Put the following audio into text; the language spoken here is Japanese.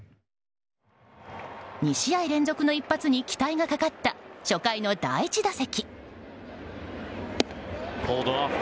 ２試合連続の一発に期待がかかった初回の第１打席。